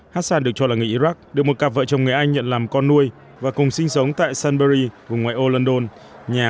hassan được cho là người iraq được một cặp vợ chồng người anh nhận làm con nuôi và cùng sinh sống tại sunbury vùng ngoài ô london